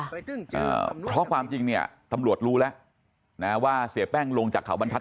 อ่าเพราะความจริงเนี่ยตำรวจรู้แล้วนะว่าเสียแป้งลงจากเขาบรรทัศ